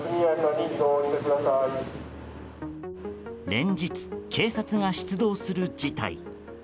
連日、警察が出動する事態。